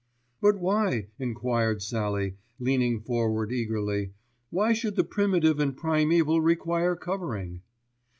"But why," enquired Sallie, leaning forward eagerly, "why should the primitive and primæval require covering?"